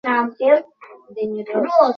Martha নাম্নী এক রমণীর পাণিগ্রহণ করেন।